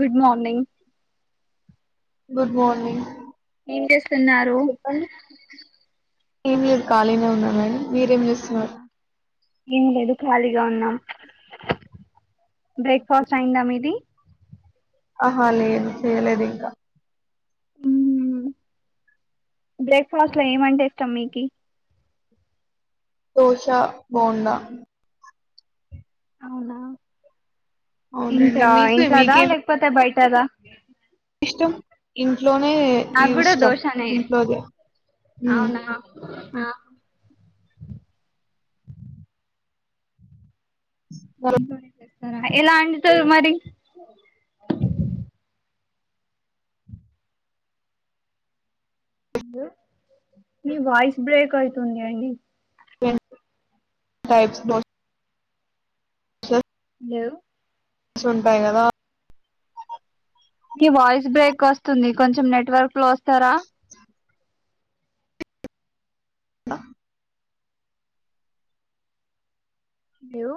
good morning good morning ఏం చేస్తున్నారు న్ ఇయర్ ఖాీనే ఉన్నా అండి మీరేం అవునా చేస్తున్నారు ఏం లేదు ఖాళీగా ఉన్నాం బ్రేక్ఫాస్ట్ అయిందా మీది ఆహా లేదు చేయలేదు ఇంకా మ్మ్ బ్రేక్ఫాస్ట్ లో ఏమంటే ఇష్టం మీకి దోష బోండా అవునా ఇంట్ అవునండి మీకు ఇంట్లోద మీకేం లేకపోతే బయట కదా ఇష్టం ఇ ఇంట్లోనే ఈ నాకు కూడా ఇష్టం దోషనే ఇంట్లోదే అవునా ఆ ఇం తోనేంద ఎలా అంటి చ మరి న వయిస్ బ్రేక్ అయితుంది అడి టైప్స్ స హలో సంటంటాయినాదా ఇ వాయిస్ బ్రేక్ వస్తుంది కొంచెం నెట్వర్క్ లో వస్తారా ఆ లేేవు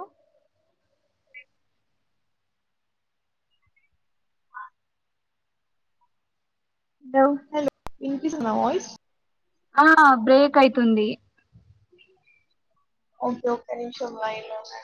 దౌ ఇనిపిస్ నా వాయిస్ అవున బ్రేక్ అయితుంది ఒకే ఒకే కొంచెం వయోలెన్స్